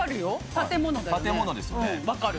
建物ですよね。